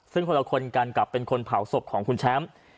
ซึ่งคนละคนกันกับเป็นคนเผาศพของคุณแชมป์